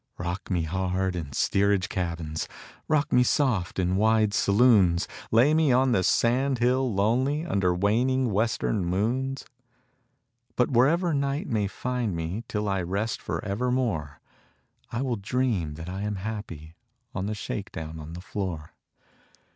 Rock me hard in steerage cabins, Rock me soft in wide saloons, Lay me on the sand hill lonely Under waning western moons; But wherever night may find me Till I rest for evermore I will dream that I am happy On the shake down on the floor.